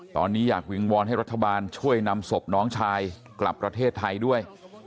ตอนนี้อยากวิงวอนให้รัฐบาลช่วยนำศพน้องชายกลับประเทศไทยด้วย